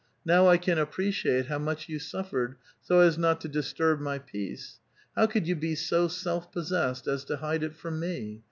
Now I can appreciate how much you suffered, so as not to disturb my peace. How could you be so self possessed as to hide it from me